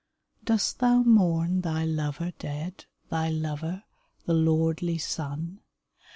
Dost thou mourn thy lover dead — Thy lover, the lordly Sun